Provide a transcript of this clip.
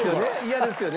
嫌ですよね。